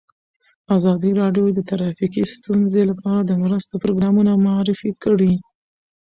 ازادي راډیو د ټرافیکي ستونزې لپاره د مرستو پروګرامونه معرفي کړي.